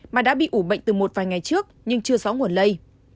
mà đã bị ủ bệnh từ một vài ngày trước nhưng chưa rõ nguồn lây